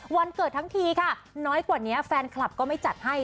วันเกิดทั้งทีค่ะน้อยกว่านี้แฟนคลับก็ไม่จัดให้